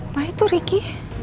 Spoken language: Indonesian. pak itu riki